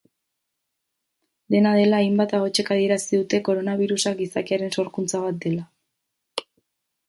Dena dela, hainbat ahotsek adierazi dute koronabirusa gizakiaren sorkuntza bat dela.